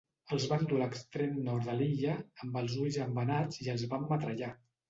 Els van dur a l'extrem nord de l'illa, amb els ulls embenats i els van metrallar.